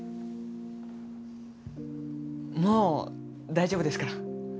もう大丈夫ですから。